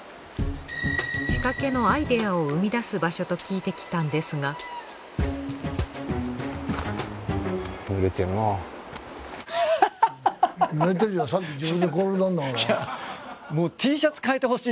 仕掛けのアイディアを生み出す場所と聞いて来たんですが１回。